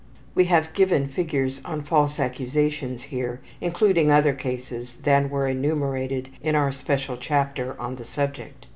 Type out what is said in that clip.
We have given figures on false accusations here, including other cases than were enumerated in our special chapter on the subject.